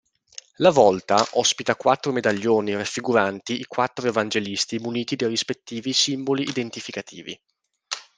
La volta ospita quattro medaglioni raffiguranti i quattro Evangelisti muniti dei rispettivi simboli identificativi.